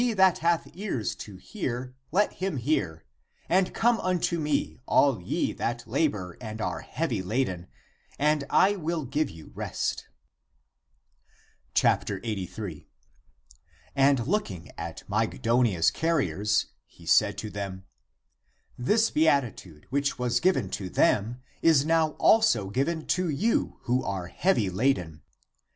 ACTS OF THOMAS 295 that hath ears to hear, let him hear ;^ And, come unto me, all ye that labor and are heavy laden, and I will give you rest." ^ 83. And looking at her (Mygdonia's) carriers, he said to them, this beatitude, which was given to them, is now also given to you who are heavy laden.